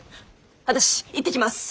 私行ってきます！